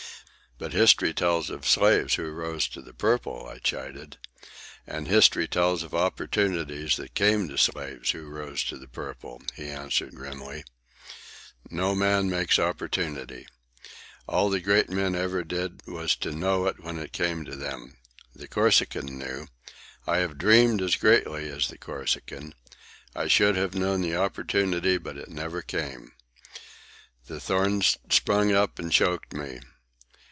"But history tells of slaves who rose to the purple," I chided. "And history tells of opportunities that came to the slaves who rose to the purple," he answered grimly. "No man makes opportunity. All the great men ever did was to know it when it came to them. The Corsican knew. I have dreamed as greatly as the Corsican. I should have known the opportunity, but it never came. The thorns sprung up and choked me.